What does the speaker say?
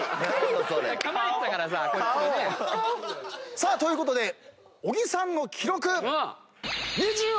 さあということで小木さんの記録。